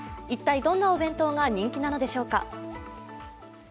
一体どんなお弁当が人気なのでしょうか。